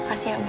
makasih ya abu